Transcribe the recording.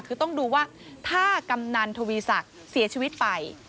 คือต้องดูว่าถ้ากำนันทวีศักดิ์เสียชีวิตไป